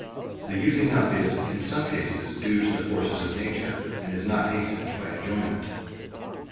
The using up is, in some cases, due to the forces of nature, and is not hastened by enjoyment.